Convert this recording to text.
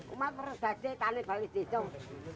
pemakamannya di kuala gatse di balis jidong